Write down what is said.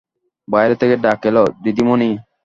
বাইরে থেকে ডাক এল, দিদিমণি।